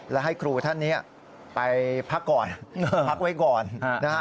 และให้ครูท่านนี้ไปพักก่อนพักไว้ก่อนนะฮะ